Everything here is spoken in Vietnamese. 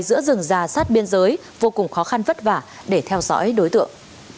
giữa rừng già sát biên giới vô cùng khó khăn vất vả để theo dõi đối tượng